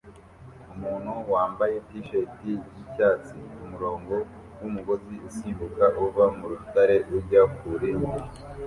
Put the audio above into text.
Umuntu wambaye t-shati yicyatsi kumurongo wumugozi usimbuka uva murutare ujya kurindi